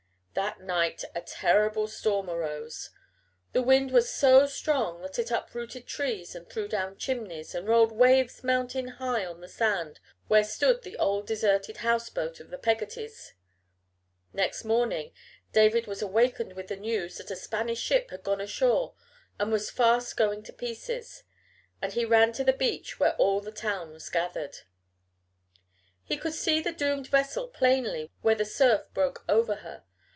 That night a terrible storm arose. The wind was so strong that it uprooted trees and threw down chimneys and rolled waves mountain high on the sand where stood the old deserted house boat of the Peggottys. Next morning David was awakened with the news that a Spanish ship had gone ashore and was fast going to pieces, and he ran to the beach, where all the town was gathered. He could see the doomed vessel plainly where the surf broke over her.